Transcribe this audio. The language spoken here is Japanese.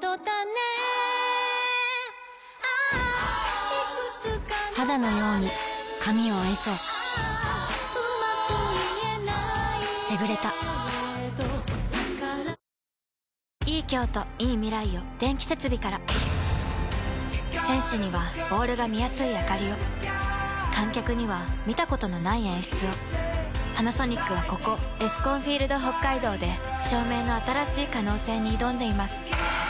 「ＡＨＡＨうまく言えないけれど」「セグレタ」選手にはボールが見やすいあかりを観客には見たことのない演出をパナソニックはここエスコンフィールドＨＯＫＫＡＩＤＯで照明の新しい可能性に挑んでいます